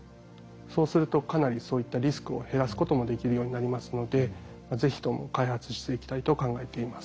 そうするとかなりそういったリスクを減らすこともできるようになりますので是非とも開発していきたいと考えています。